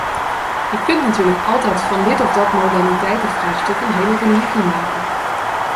Je kunt natuurlijk altijd van dit of dat modaliteitenvraagstuk een hele religie maken.